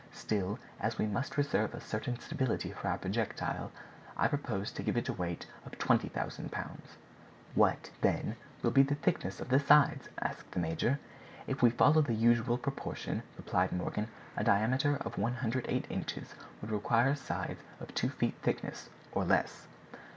Still, as we must reserve a certain stability for our projectile, I propose to give it a weight of 20,000 pounds." "What, then, will be the thickness of the sides?" asked the major. "If we follow the usual proportion," replied Morgan, "a diameter of 108 inches would require sides of two feet thickness, or less."